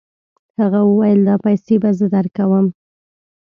هغه وویل دا پیسې به زه درکوم.